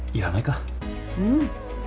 うん。